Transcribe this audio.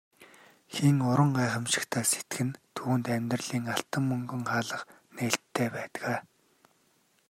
Хэн уран гайхамшигтай сэтгэнэ түүнд амьдралын алтан мөнгөн хаалга нээлттэй байдаг.